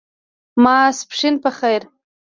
ماسپښېن په خیر !